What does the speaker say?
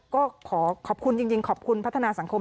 ก็ขอขอบคุณจริงขอบคุณพัฒนาสังคม